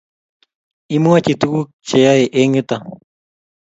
Imwachi tuguk che yae eng yutok